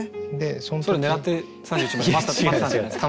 それ狙って３１まで待ってたんじゃないですか？